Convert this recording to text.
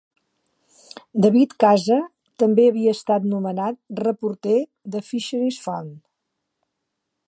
David Casa també havia estat nomenat reporter de Fisheries Fund.